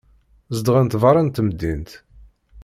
Zedɣent beṛṛa n temdint.